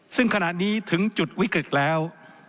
ซึ่งขณะนี้ถึงจุดวิกฤตแล้ว